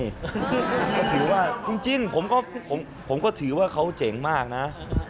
ก็ถือว่าจริงผมก็ถือว่าเขาเจ๋งมากนะ